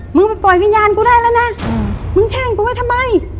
มึงไปปล่อยวิญญาณกูได้แล้วนะมึงแช่งกูไว้ทำไม